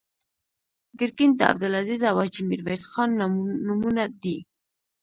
ګرګین د عبدالعزیز او حاجي میرویس خان نومونه دي.